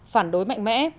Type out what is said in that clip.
phản đối mạnh mẽ